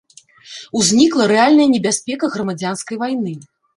Узнікла рэальная небяспека грамадзянскай вайны.